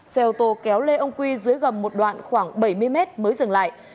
xe ô tô kéo lê ông quy dưới gầm một đoạn khoảng bảy mươi mét mới dừng lại